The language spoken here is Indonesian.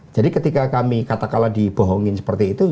jadi ketika kami katakan dibohongkan seperti itu